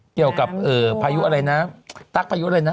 เกี่ยวกับพายุอะไรนะตั๊กพายุอะไรนะ